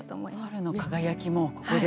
春の輝きもここで。